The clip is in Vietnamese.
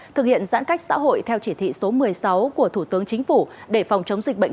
thực hiện giãn cách xã hội theo chỉ thị số một mươi sáu của thủ tướng chính phủ để phòng chống dịch bệnh